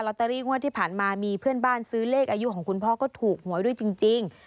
เตอรี่งวดที่ผ่านมามีเพื่อนบ้านซื้อเลขอายุของคุณพ่อก็ถูกหวยด้วยจริง